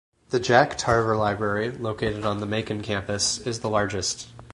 The Jack Tarver Library, located on the Macon campus, is the largest.